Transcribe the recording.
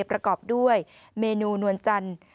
ประกอบด้วยเมนูนวลจันทร์